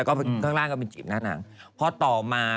ก็ฆังล่างก็มีจีบหน้างเพราะต่อมา